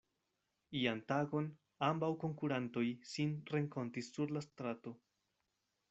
Ian tagon ambaŭ konkurantoj sin renkontis sur la strato.